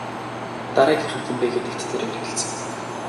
Дараагийнх нь хэн бэ гэдэгт тэр эргэлзсэнгүй.